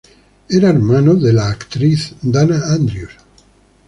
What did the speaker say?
Era hermano del actor Dana Andrews.